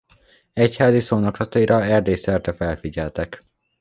Egyházi szónoklataira Erdély szerte felfigyeltek.